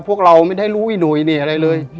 พวกเราไม่ได้รู้วินุยอะไรเลย